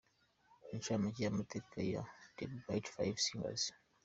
Incamake y’amateka ya 'The Bright Five Singers'.